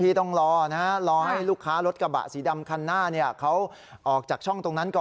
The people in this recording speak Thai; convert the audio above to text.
ที่ต้องรอนะฮะรอให้ลูกค้ารถกระบะสีดำคันหน้าเขาออกจากช่องตรงนั้นก่อน